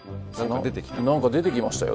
何か出てきましたよ。